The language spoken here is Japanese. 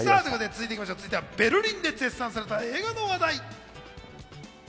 続いてはベルリンで絶賛された映画の話題。